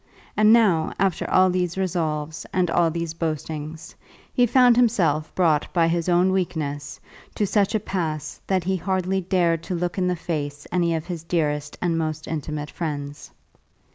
And now, after all these resolves and all these boastings, he found himself brought by his own weakness to such a pass that he hardly dared to look in the face any of his dearest and most intimate friends.